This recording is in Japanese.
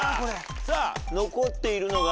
さぁ残っているのが。